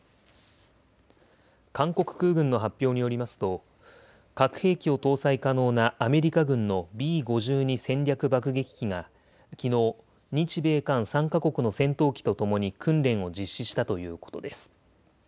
韓国空軍の発表によりますと核兵器を搭載可能なアメリカ軍のＢ５２戦略爆撃機がきのう日米韓３か国の戦闘機とともに訓練を実施したということです。